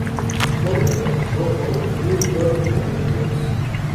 Finalmente fichó por el New York Red Bulls.